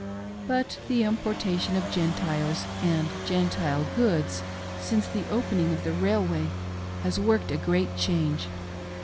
But the importation of Gentiles and Gentile goods, since the opening of the railway, has worked a great change.